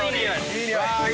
いい匂い！